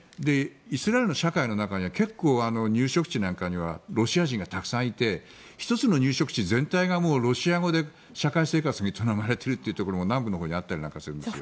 イスラエルの社会の中には結構、入植地なんかにはロシア人がたくさんいて１つの入植地全体がロシア語で社会生活が営まれているところも南部のほうにあったりするんです。